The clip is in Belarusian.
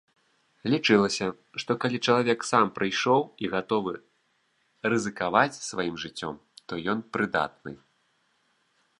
Лічылася, што калі чалавек сам прыйшоў і гатовы рызыкаваць сваім жыццём, то ён прыдатны.